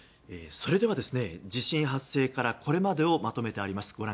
それでは地震発生からこれまでをまとめました。